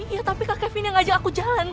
ya tapi kak kevin yang ngajak aku jalan